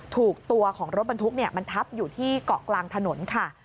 ถูกตัวของรถบรรทุกมันทับอยู่ที่เกาะกลางถนนค่ะ